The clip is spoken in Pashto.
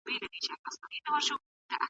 دا ستونزه یوازي په کوم پوهنتون کي نه ده.